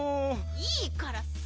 いいからさ！